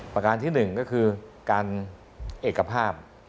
ประการที่๑ก็คือการเอกภาพ